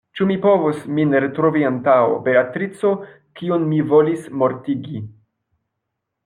Ĉu mi povos min retrovi antaŭ Beatrico, kiun mi volis mortigi?